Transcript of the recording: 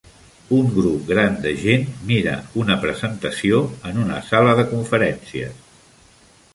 Un grup gran de gent mira una presentació en una sala de conferències.